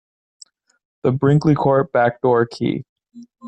The Brinkley Court back-door key.